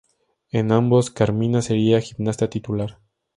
En ambos Carmina sería gimnasta titular.